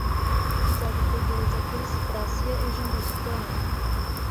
Nzagutegereza kuri sitasiyo ejo mugitondo